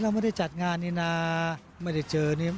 ไม่ได้จัดงานนี่นะไม่ได้เจอนี่